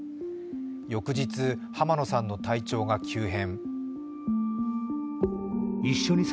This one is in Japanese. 翌日、濱野さんの体調が急変。